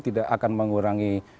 tidak akan mengurangi